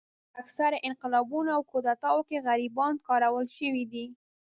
په اکثره انقلابونو او کودتاوو کې غریبان کارول شوي دي.